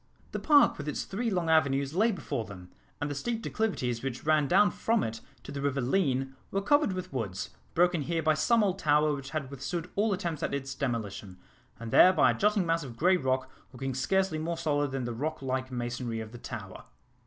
The park with its three long avenues lay before them, and the steep declivities which ran down from it to the river Leen were covered with woods, broken here by some old tower which had withstood all attempts at its demolition, and there by a jutting mass of grey rock, looking scarcely more solid than the rock like masonry of the tower.